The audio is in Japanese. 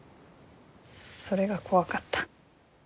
それが怖かった。